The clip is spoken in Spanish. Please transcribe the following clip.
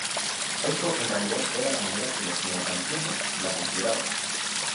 Eso en realidad era la manera que los neo-kantianos la consideraban.